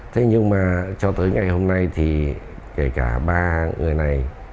thế nhưng mà cho tới ngày hôm nay thì kể cả ba người này